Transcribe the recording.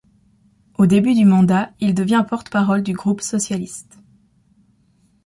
Au début du mandat, il devient porte-parole du groupe socialiste.